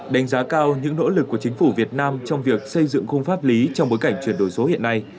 đánh giá cao những nỗ lực của chính phủ việt nam trong việc xây dựng khung pháp lý trong bối cảnh chuyển đổi số hiện nay